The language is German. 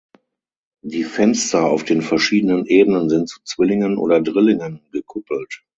Die Fenster auf den verschiedenen Ebenen sind zu Zwillingen oder Drillingen gekuppelt.